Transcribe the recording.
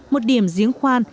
một điểm giếng khoan